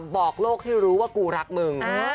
บอกโลกให้รู้ว่ากูรักมึง